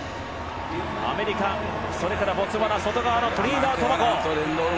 アメリカそれからボツワナ、外側のトリニダード・トバゴ。